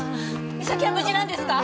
実咲は無事なんですか？